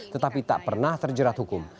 tetapi tak pernah terjerat hukum